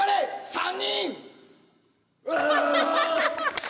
３人！